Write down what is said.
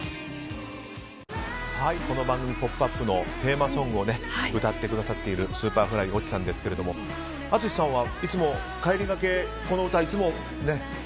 この番組「ポップＵＰ！」のテーマソングを歌ってくださっているＳｕｐｅｒｆｌｙの越智さんですが淳さんはいつも帰りがけこの歌をね。